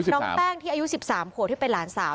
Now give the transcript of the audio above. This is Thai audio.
น้องแป้งที่อายุ๑๓ขัวที่เป็นหลานสาว